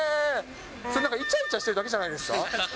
それ、なんか、いちゃいちゃしてるだけじゃないですか？